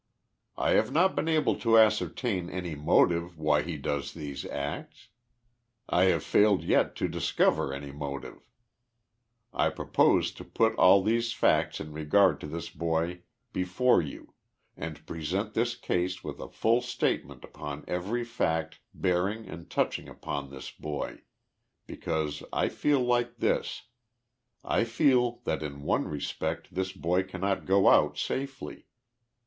I have not been able to ascertain any motive why he does these acts. I have failed yet to discover any motive. 1 propose to put all these facts in regard to this boy before you and present this case with a full statement upon every fact bearing and touch ing upon this boy because I feel like this : I feel that in one re spect this boy cannot go out safely.